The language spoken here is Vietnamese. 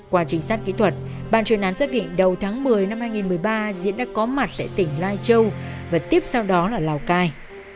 qua trình sát kỹ thuật bàn truy nán xác định đầu tháng một mươi năm hai nghìn một mươi ba diễn đã có mặt tại tỉnh lai châu và tiếp sau đó là lào cai